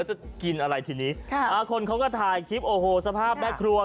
จะกินอะไรทีนี้ค่ะอ่าคนเขาก็ถ่ายคลิปโอ้โหสภาพแม่ครัว